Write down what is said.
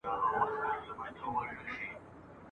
ړوند یې د فکر پر سمو لارو !.